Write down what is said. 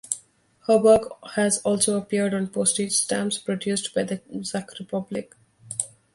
Her work has also appeared on postage stamps produced by the Czech Republic.